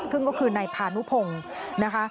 ซึ่งก็คือนายพานุพงศ์นะคะ